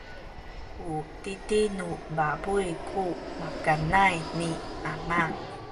u titi nu pabuy ku makanay ni ama.